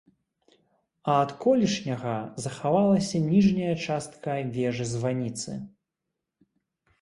А ад колішняга захавалася ніжняя частка вежы-званіцы.